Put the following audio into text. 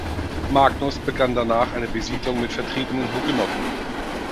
Magnus begann danach eine Besiedlung mit vertriebenen Hugenotten.